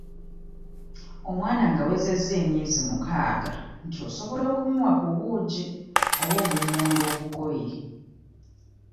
Omwana ng'awezezza emyezi mukaaga nti osobola okumuwa ku buugi oba obummonde obugoye.